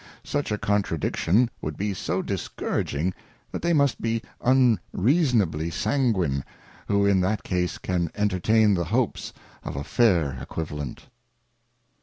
Such a contradiction would be so dis couraging, that they must be unreasonably sanguine, who in i that case can entertain the hopes of a /air Equivalent.